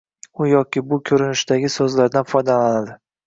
u yoki bu ko‘rinishdagi so‘zlardan foydalanadi.